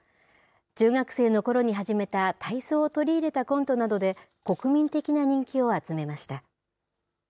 中学生のころに始めた体操を取り入れたコントなどで、国民的な人気を集めました。